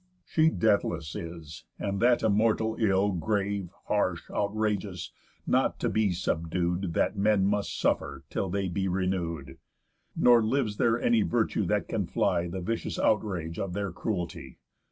She deathless is, and that immortal ill Grave, harsh, outrageous, not to be subdued, That men must suffer till they be renew'd. Nor lives there any virtue that can fly The vicious outrage of their cruelty.